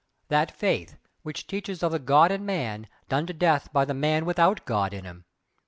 That faith which teaches of the God in Man, done to death by the Man WITHOUT God in him!